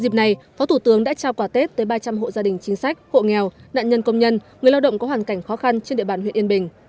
dịp này phó thủ tướng đã trao quả tết tới ba trăm linh hộ gia đình chính sách hộ nghèo nạn nhân công nhân người lao động có hoàn cảnh khó khăn trên địa bàn huyện yên bình